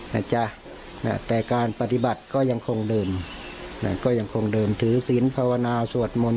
นะจ๊ะแต่การปฏิบัติก็ยังคงเดิมก็ยังคงเดิมถือศีลภาวนาสวดมนต์